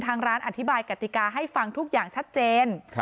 ทางร้านอธิบายกติกาให้ฟังทุกอย่างชัดเจน